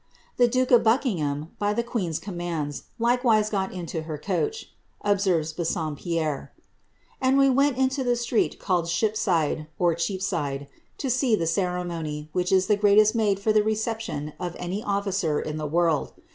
^The duke of Buckingham, by the queen's commands, likewise got into her coach," observes Bassompierre; ^and we went into the street called Shipside (Cheapside), to see the ceremony, which is the greatest made for the reception of any ofiicer in the world.